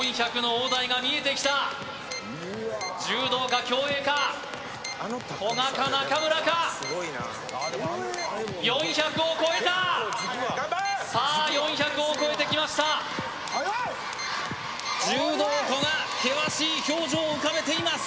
大台が見えてきた柔道か競泳か古賀か中村か４００を超えたさあ４００を超えてきました速い柔道・古賀険しい表情を浮かべています